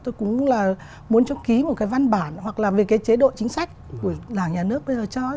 tôi cũng là muốn cho ký một cái văn bản hoặc là về cái chế độ chính sách của đảng nhà nước bây giờ cho